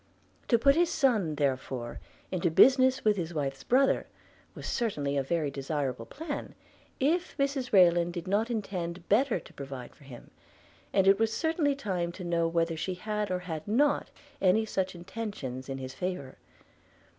To put his son therefore into business with his wife's brother was certainly a very desirable plan, if Mrs Rayland did not intend better to provide for him; and it was certainly time to know whether she had or had not any such intentions in his favour.